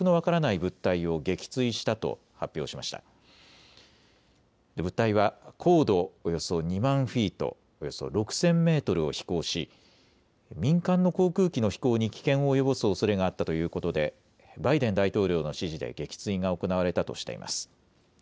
物体は高度およそ２万フィート、およそ６０００メートルを飛行し民間の航空機の飛行に危険を及ぼすおそれがあったということでバイデン大統領の指示で撃墜が行われたとしています。